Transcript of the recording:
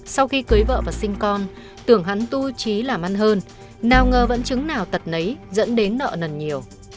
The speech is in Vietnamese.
sau khi cưới vợ và sinh con tưởng hắn tu trí làm ăn hơn nào ngờ vẫn chứng nào tật nấy dẫn đến nợ nần nhiều